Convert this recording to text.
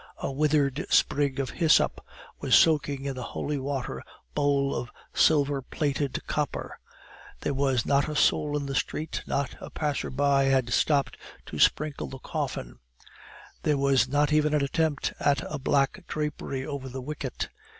A withered sprig of hyssop was soaking in the holy water bowl of silver plated copper; there was not a soul in the street, not a passer by had stopped to sprinkle the coffin; there was not even an attempt at a black drapery over the wicket.